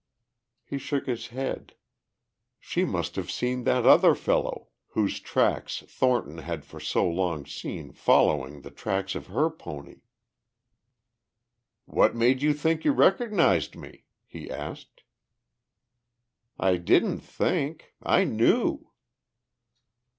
He shook his head. She must have seen that other fellow whose tracks Thornton had for so long seen following the tracks of her pony. "What made you think you recognized me?" he asked. "I didn't think. I knew."